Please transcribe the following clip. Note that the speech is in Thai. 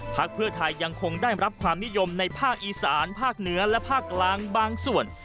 พักเพื่อไทยยังคงได้รับความนิยมในภาคอีสานภาคเหนือและภาคกลางบางส่วน